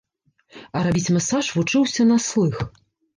А рабіць масаж вучыўся на слых.